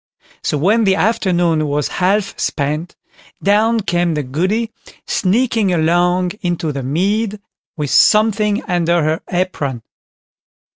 So when the afternoon was half spent, down came the Goody sneaking along into the mead, with something under her apron.